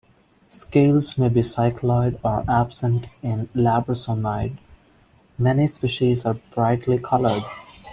Scales may be cycloid or absent in labrisomids; many species are brightly coloured.